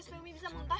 supaya umi bisa muntah